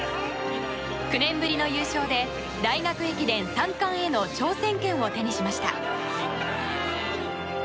９年ぶりの優勝で大学駅伝３冠への挑戦権を手にしました。